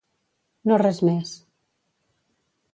No res més.